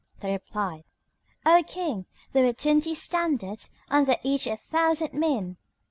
They replied, "O King, there were twenty standards, under each a thousand men."